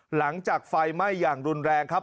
หลังจากไฟไหม้อย่างรุนแรงครับ